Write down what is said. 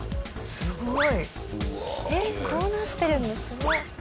すごい！